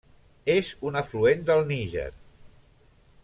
És un afluent del Níger.